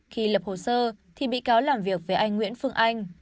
khi lập hồ sơ thì bị cáo làm việc với anh nguyễn phương anh